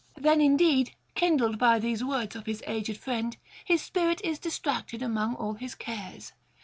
Then, indeed, kindled by these words of his aged friend, his spirit is distracted among all his cares.